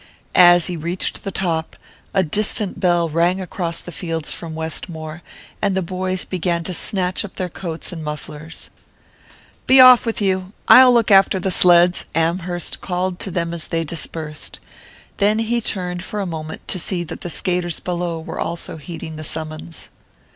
As he reached the top, a distant bell rang across the fields from Westmore, and the boys began to snatch up their coats and mufflers. "Be off with you I'll look after the sleds," Amherst called to them as they dispersed; then he turned for a moment to see that the skaters below were also heeding the summons.